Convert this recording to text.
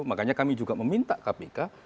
makanya kami juga meminta kpk